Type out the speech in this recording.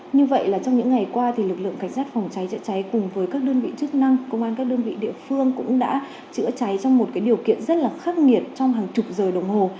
như vậy là trong những ngày qua thì lực lượng cảnh sát phòng cháy chữa cháy cùng với các đơn vị chức năng công an các đơn vị địa phương cũng đã chữa cháy trong một điều kiện rất là khắc nghiệt trong hàng chục giờ đồng hồ